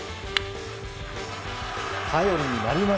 頼りになります。